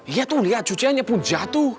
iya tuh lihat cuciannya pun jatuh